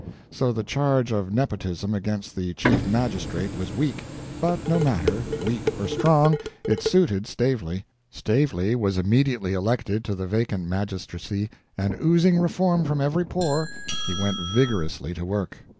So the charge of nepotism against the chief magistrate was weak. But no matter; weak or strong, it suited Stavely. Stavely was immediately elected to the vacant magistracy, and, oozing reform from every pore, he went vigorously to work.